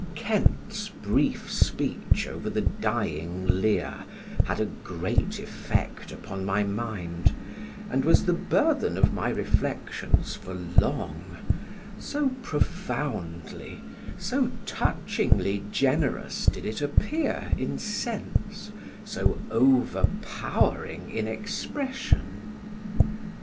Kent's brief speech over the dying Lear had a great effect upon my mind, and was the burthen of my reflections for long, so profoundly, so touchingly generous did it appear in sense, so overpowering in expression.